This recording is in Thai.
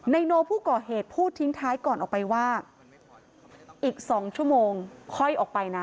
โนผู้ก่อเหตุพูดทิ้งท้ายก่อนออกไปว่าอีก๒ชั่วโมงค่อยออกไปนะ